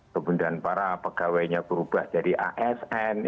kemudian para pegawainya berubah jadi asn